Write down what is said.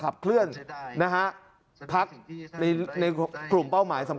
การเงินมันมีฝ่ายฮะ